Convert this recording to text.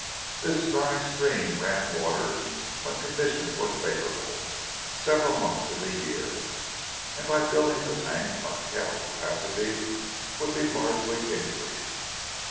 This dry stream ran water, when conditions were favorable, several months in the year, and by building the tank our cattle capacity would be largely increased.